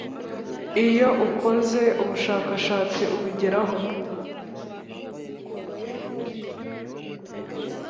Iyo ukoze ubushakashatsi ubigeraho